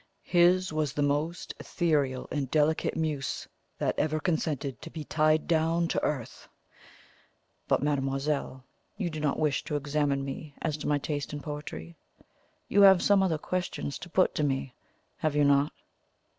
"His was the most ethereal and delicate muse that ever consented to be tied down to earth. But, mademoiselle, you do not wish to examine me as to my taste in poetry. You have some other questions to put to me, have you not?"